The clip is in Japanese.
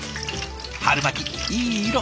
春巻きいい色！